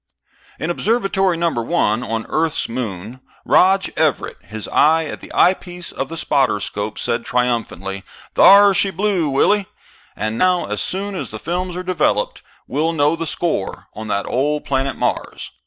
In Observatory No. 1 on Earth's moon, Rog Everett, his eye at the eyepiece of the spotter scope, said triumphantly, "Thar she blew, Willie. And now, as soon as the films are developed, we'll know the score on that old planet Mars."